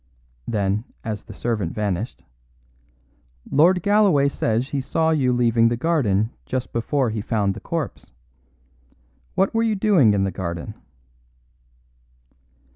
Then, as the servant vanished, "Lord Galloway says he saw you leaving the garden just before he found the corpse. What were you doing in the garden?"